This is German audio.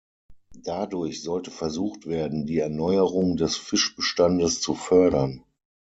Dadurch sollte versucht werden, die Erneuerung des Fischbestandes zu fördern.